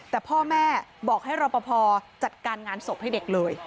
แต่พ่อแม่บอกให้รอปภจัดการงานศพให้เด็กเลย